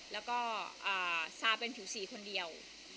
แล้วก็ซาเป็นผิวสีคนเดียว